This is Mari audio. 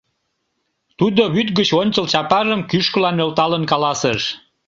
Тудо вӱд гыч ончыл чапажым кӱшкыла нӧлталын каласыш: